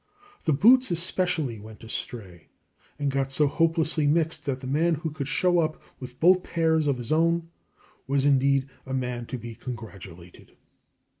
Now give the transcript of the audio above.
The boots especially went astray, and got so hopelessly mixed that the man who could "show up" with both pairs of his own was, indeed, a man to be congratulated.